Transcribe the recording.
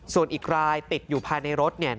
ส่วนอีกรายติดอยู่ภายในรถ